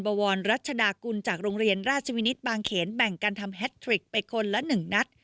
วรรัชดากุลจากโรงเรียนราชวินิตบางเขนแบ่งกันทำแฮทริกไปคนละ๑นัด